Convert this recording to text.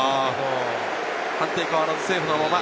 判定変わらずセーフのまま。